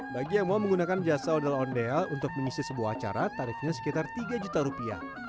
bagi yang mau menggunakan jasa ondel ondel untuk mengisi sebuah acara tarifnya sekitar tiga juta rupiah